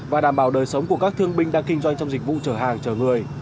và đảm bảo đời sống của các thương binh đang kinh doanh trong dịch vụ chở hàng chở người